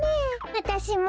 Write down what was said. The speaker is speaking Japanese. わたしも。